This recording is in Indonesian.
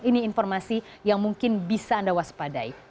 ini informasi yang mungkin bisa anda waspadai